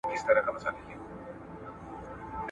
ګاونډیانو بیلچې په ځمکه کېښودلې او د آس ننداره یې کوله.